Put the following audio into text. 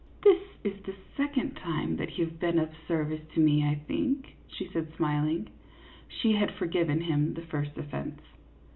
" This is the second time that you have been of service to me, I think," she said, smiling. She had forgiven him the first offence.